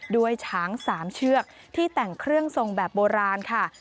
ด้วยช้าง๓เชือกที่แต่งเครื่องทรงแบบโบราณค่ะ